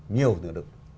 nhiều nữa được